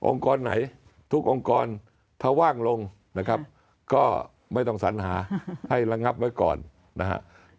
กรไหนทุกองค์กรถ้าว่างลงนะครับก็ไม่ต้องสัญหาให้ระงับไว้ก่อนนะครับ